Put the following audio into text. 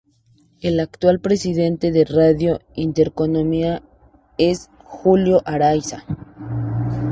El actual presidente de Radio Intereconomía es: Julio Ariza.